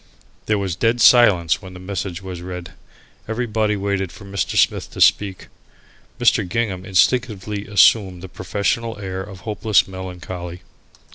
There was dead silence when the message was read. Everybody waited for Mr. Smith to speak. Mr. Gingham instinctively assumed the professional air of hopeless melancholy.